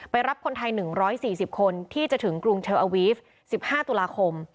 รับคนไทย๑๔๐คนที่จะถึงกรุงเทลอาวีฟ๑๕ตุลาคม